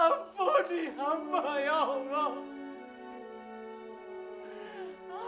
ampuni hamba ya allah